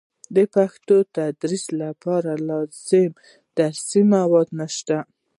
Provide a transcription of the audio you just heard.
د پښتو د تدریس لپاره لازم درسي مواد نشته.